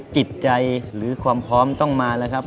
จิตใจหรือความพร้อมต้องมาแล้วครับ